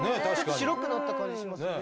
白くなった感じしますよね。